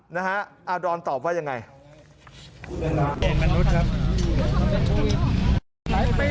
นะฮะอาดอนตอบว่ายังไงมนุษย์ครับ